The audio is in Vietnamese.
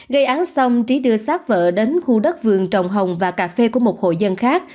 gây án xong trí đưa sát vợ đến khu đất vườn trồng hồng và cà phê của một hội dân khác